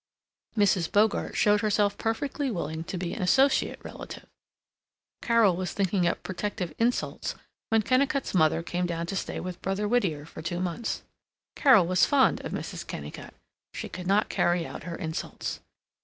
Mrs. Bogart showed herself perfectly willing to be an associate relative. Carol was thinking up protective insults when Kennicott's mother came down to stay with Brother Whittier for two months. Carol was fond of Mrs. Kennicott. She could not carry out her insults.